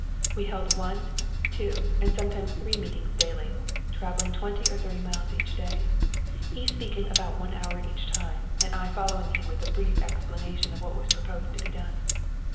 We held one, two, and sometimes three meetings daily, travelling twenty or thirty miles each day, he speaking about one hour each time, and I following him with a brief explanation of what was proposed to be done.